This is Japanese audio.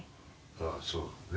ああそうだね。